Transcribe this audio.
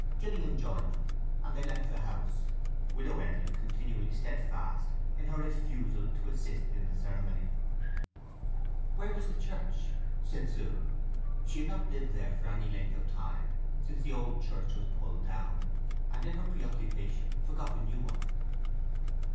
Gillingham joined them, and they left the house, Widow Edlin continuing steadfast in her refusal to assist in the ceremony. "Where is the church?" said Sue. She had not lived there for any length of time since the old church was pulled down, and in her preoccupation forgot the new one.